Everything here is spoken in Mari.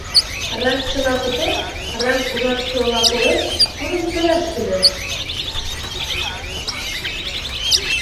Раз чыла пытен, раз Ужарсола колен — тудым тояш кӱлеш!